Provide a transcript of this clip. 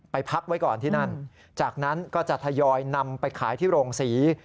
พักไว้ก่อนที่นั่นจากนั้นก็จะทยอยนำไปขายที่โรงศรี